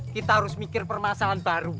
kita harus mikir permasalahan baru